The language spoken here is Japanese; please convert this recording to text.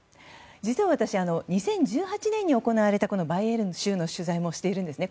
実は私、２０１８年に行われたバイエルン州の取材もしているんですね。